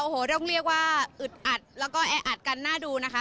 โอ้โหต้องเรียกว่าอึดอัดแล้วก็แออัดกันน่าดูนะคะ